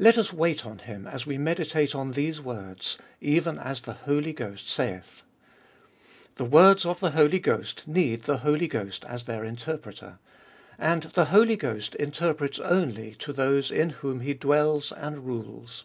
Let us wait on Him as we meditate on these words, Even as the Holy Ghost saith. The words of the Holy Ghost need the Holy Ghost as their interpreter. And 120 abe Iboliest ot 2UI the Holy Ghost interprets only to those in whom He dwells and rules.